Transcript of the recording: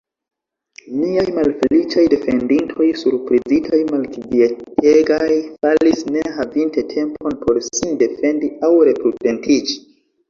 Niaj malfeliĉaj defendintoj, surprizitaj, malkvietegaj, falis ne havinte tempon por sin defendi aŭ reprudentiĝi.